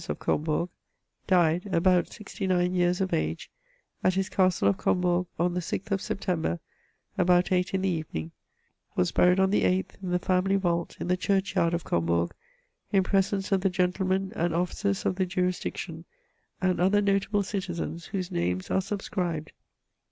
of Combourg, died, about sixty nine years of age, at his Castle of Combourg, on the 6th of September, about eight in the evening, was buried on the 8th, in the family vault, in the church yard of Combourg, in presence of the gentlemen and officers of the jurisdiction, and other notable citizens, whose names are subscribed.